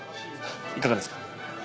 いかがですか？